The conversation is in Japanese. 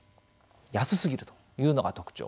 安すぎるというのが特徴。